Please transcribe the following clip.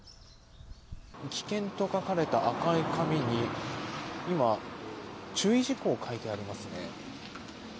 危険と書かれた赤い紙に今、注意事項を書いてありますね。